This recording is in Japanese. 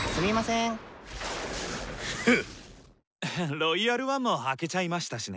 「ロイヤル・ワン」も開けちゃいましたしね。